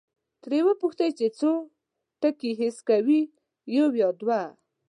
ترې وپوښتئ چې څو ټکي حس کوي، یو یا دوه؟